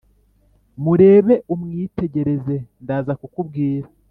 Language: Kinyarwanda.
murebe umwitegereze ndaza kukubwira